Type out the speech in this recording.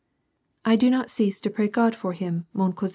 " I do not cease to pray God for him, mon cousi?